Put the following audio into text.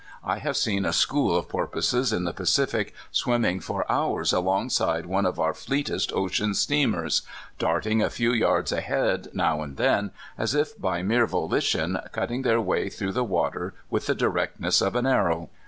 I have seen a *' school " of porpoises in the Pacific swim ming for hours alongside one of our fleetest ocean steamers, darting a few yards ahead now and then, as if by mere volition, cutting their way through the water with the directness of an arrow.